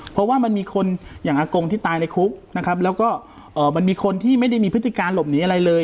เพราะว่ามันมีคนอย่างอากงที่ตายในคุกนะครับแล้วก็มันมีคนที่ไม่ได้มีพฤติการหลบหนีอะไรเลย